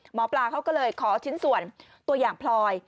หมอปลาเขาก็เลยขอชิ้นส่วนตัวอย่างพลอย